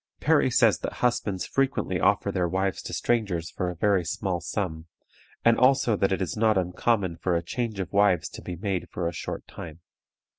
Parry says that husbands frequently offer their wives to strangers for a very small sum, and also that it is not uncommon for a change of wives to be made for a short time.